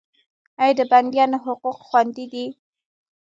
آیا د بندیانو حقوق خوندي دي؟